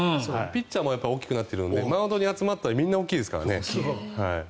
ピッチャーも大きくなってるのでマウンドに集まったらみんな大きいですからね。